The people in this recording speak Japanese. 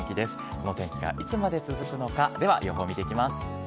この天気がいつまで続くのか、では予報見ていきます。